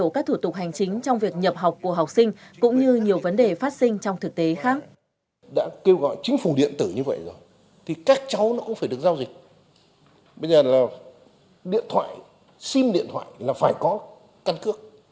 các thủ tục hành chính trong việc nhập học của học sinh cũng như nhiều vấn đề phát sinh trong thực tế khác